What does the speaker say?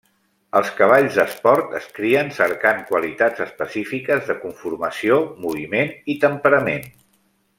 Els cavalls d'esport es crien cercant qualitats específiques de conformació, moviment i temperament.